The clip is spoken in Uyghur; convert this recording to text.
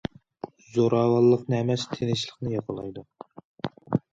زوراۋانلىقنى ئەمەس تىنچلىقنى ياقلايدۇ.